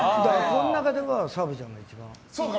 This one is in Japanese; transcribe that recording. この中では澤部ちゃんが一番。